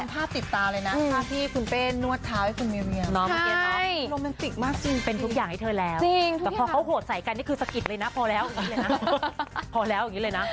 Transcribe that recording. พอแล้วแบบนี้เลยนะ